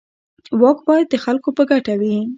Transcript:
واک باید د خلکو په ګټه وي.